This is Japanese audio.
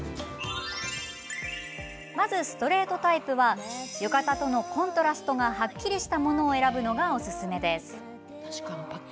ストレートタイプは浴衣とのコントラストがはっきりしたものを選ぶのがおすすめです。